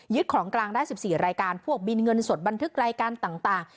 ของกลางได้๑๔รายการพวกบินเงินสดบันทึกรายการต่าง